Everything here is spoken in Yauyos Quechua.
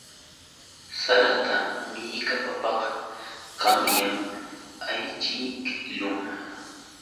Sarata millkapapaq qanyan ayćhiqlun.